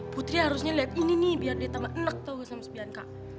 putri harusnya liat ini nih biar dia tambah enek tau sampe si bianca